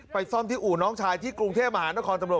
ซ่อมที่อู่น้องชายที่กรุงเทพมหานครตำรวจ